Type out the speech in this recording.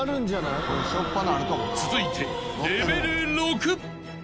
［続いてレベル６］